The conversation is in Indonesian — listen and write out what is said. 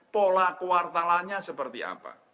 pola kuartalannya seperti apa